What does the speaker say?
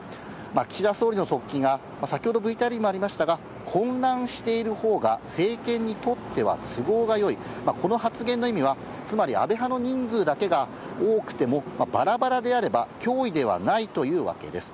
岸田総理の側近は、先ほどＶＴＲにもありましたが、混乱しているほうが、政権にとっては都合がよい、この発言の意味は、つまり安倍派の人数だけが多くても、ばらばらであれば脅威ではないというわけです。